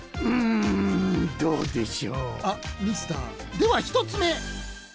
では１つめ！